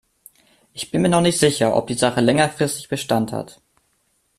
Ich bin mir noch nicht sicher, ob die Sache längerfristig Bestand hat.